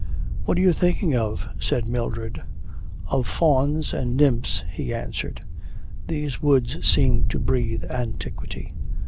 'What are you thinking of?' said Mildred. 'Of fauns and nymphs,' he answered. 'These woods seem to breathe antiquity.'